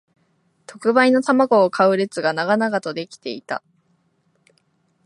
特売の玉子を買う列が長々と出来ていた